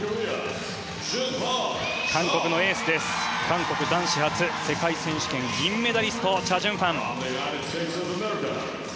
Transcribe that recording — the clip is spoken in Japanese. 韓国のエース、韓国男子初世界選手権銀メダリストチャ・ジュンファン。